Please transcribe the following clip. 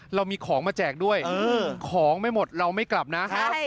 เรามีของมาแจกด้วยของไม่หมดเราไม่กลับนะครับ